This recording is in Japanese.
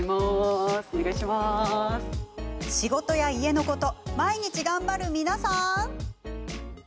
仕事や家のこと毎日頑張る皆さん！